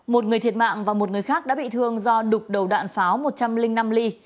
một người thiệt mạng và một người khác đã bị thương do đục đầu đạn pháo một trăm linh năm ly